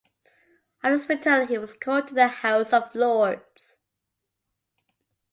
On his return he was called to the House of Lords.